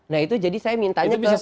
nah itu jadi saya mintanya ke